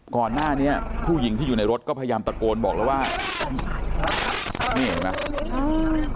หน้าเนี้ยผู้หญิงที่อยู่ในรถก็พยายามตะโกนบอกแล้วว่านี่เห็นไหม